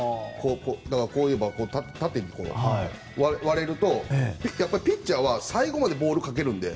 縦にこう割れるとピッチャーは最後までボールかけるので。